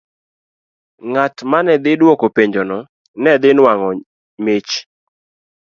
Ng'at ma ne dhi dwoko penjono ne dhi nwang'o mich.